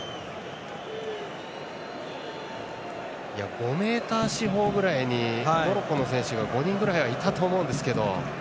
５メーター四方ぐらいにモロッコの選手が５人ぐらいはいたと思うんですけど。